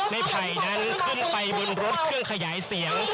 ไผ่นั้นขึ้นไปบนรถเครื่องขยายเสียง